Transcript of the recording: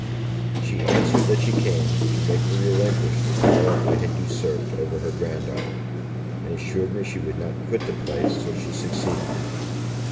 She answered, that she came to make me relinquish the power I had usurped over her grand daughter; and assured me she would not quit the place till she succeeded.